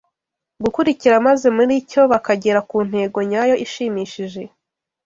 gukurikira maze muri cyo bakagera ku ntego nyayo ishimishije